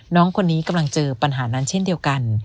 น้องคนนี้กำลังเจอปัญหานั้นเช่นเดียวกัน